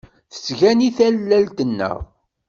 Tettgani tallalt-nneɣ.